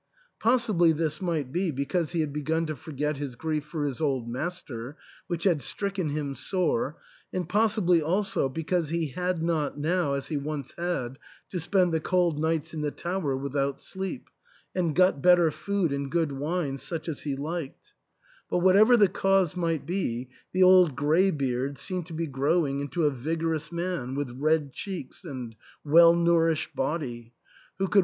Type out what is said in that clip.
Possibly this might be, because he had begun to forget his grief for his old master, which had stricken him sore, and possibly also because he had not now, as he once had, to spend the cold nights in the tower without sleep, and got better food and good wine such as he liked ; but whatever the cause might be, the old greybeard seemed to be growing into a vigorous man with red cheeks and well nourished body, who could \ 286 THE ENTAIL.